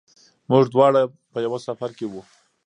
موږ دواړه په یوه سفر کې وو.